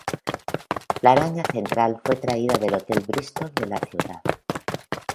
La araña central fue traída del Hotel Bristol de la ciudad.